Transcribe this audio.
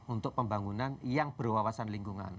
untuk pembangunan yang berwawasan lingkungan